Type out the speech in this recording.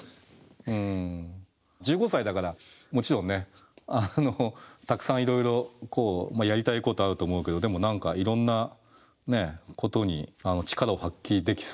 １５歳だからもちろんねたくさんいろいろやりたいことあると思うけどでもいろんなことに力を発揮できそうで楽しみだね。